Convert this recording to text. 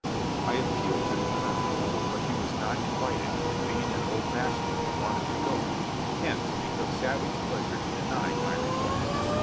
I appealed to the colonel, but he was not invited, and being an old bachelor, wanted to go ; hence he took savage pleasure in denying my re quest.